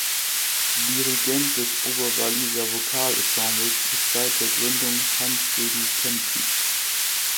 Dirigent des Oberwalliser Vokalensembles ist seit der Gründung Hansruedi Kämpfen.